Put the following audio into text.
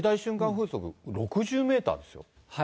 風速６０メーターですよ。